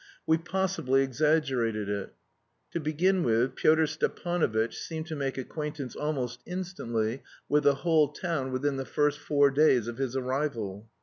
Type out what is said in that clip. We possibly exaggerated it. To begin with, Pyotr Stepanovitch seemed to make acquaintance almost instantly with the whole town within the first four days of his arrival.